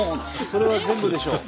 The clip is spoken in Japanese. それは全部でしょう。